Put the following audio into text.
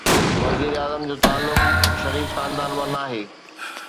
وزيراعظم جو تعلق شريف خاندان مان ناهي.